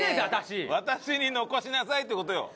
私に残しなさいって事よ。